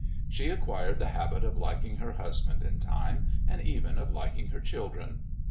She acquired the habit of liking her husband in time, and even of liking her children.